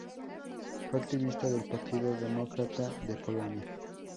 Fue activista del Partido Demócrata de Polonia.